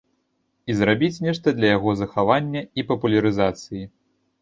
І зрабіць нешта для яго захавання і папулярызацыі.